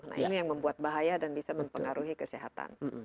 nah ini yang membuat bahaya dan bisa mempengaruhi kesehatan